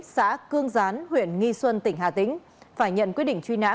xã cương gián huyện nghi xuân tỉnh hà tĩnh phải nhận quyết định truy nã